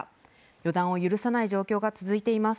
予断を許さない状況が続いています。